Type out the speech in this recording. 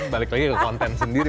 balik lagi ke konten sendiri